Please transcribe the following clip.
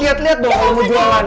jualan itu ako